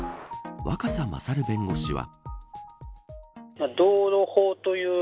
若狭勝弁護士は。